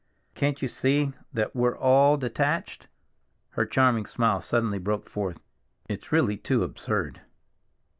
"Can't you see that we're all detached?" Her charming smile suddenly broke forth. "It's really too absurd."